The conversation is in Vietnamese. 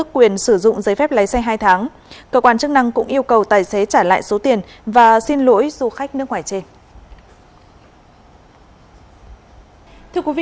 quyền sử dụng giấy phép lái xe hai tháng cơ quan chức năng cũng yêu cầu tài xế trả lại số tiền và xin lỗi du khách nước ngoài trên